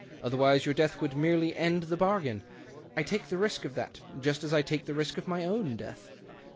Otherwise your death would merely end the bargain — I take the risk of that — just as I take the risk of my own death.